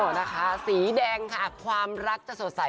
นะคะสีแดงค่ะความรักจะสดใส